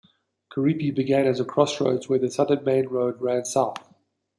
Curepe began as a crossroads, where the Southern Main Road ran south.